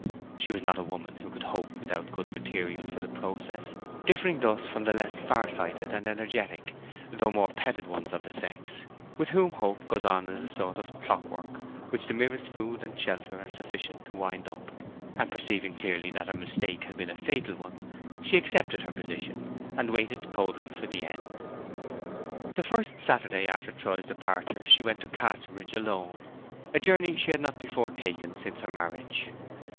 She was not a woman who could hope on without good materials for the process, differing thus from the less far sighted and energetic, though more petted ones of the sex, with whom hope goes on as a sort of clockwork which the merest food and shelter are sufficient to wind up; and perceiving clearly that her mistake had been a fatal one, she accepted her position, and waited coldly for the end. The first Saturday after Troy's departure she went to Casterbridge alone, a journey she had not before taken since her marriage.